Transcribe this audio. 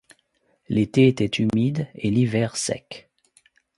L'été était humide et l'hiver sec.